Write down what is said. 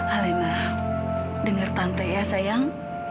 alena dengar tante ya sayang